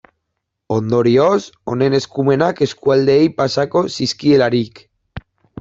Ondorioz, honen eskumenak eskualdeei pasako zizkielarik.